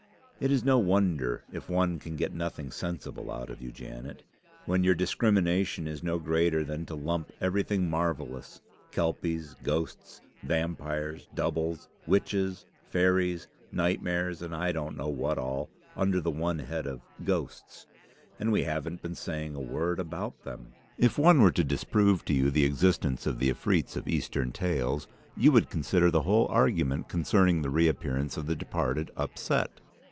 It is no wonder if one can get nothing sensible out of you, Janet, when your discrimination is no greater than to lump everything marvellous, kelpies, ghosts, vampires, doubles, witches, fairies, nightmares, and I don't know what all, under the one head of ghosts; and we haven't been saying a word about them. If one were to disprove to you the existence of the afreets of Eastern tales, you would consider the whole argument concerning the reappearance of the departed upset.